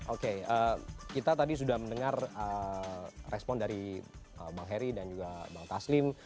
oke kita tadi sudah mendengar respon dari bang heri dan juga bang taslim